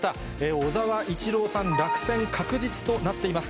小沢一郎さん、落選確実となっています。